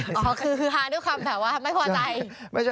อ๋อคือฮาด้วยความแบบว่าไม่พอใจ